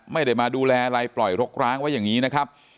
ไม่ได้มาดูแลอะไรปล่อยรกร้างไว้อย่างนี้นะครับ